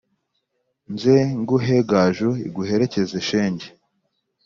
Nze nguhe gaju iguherekeze shenge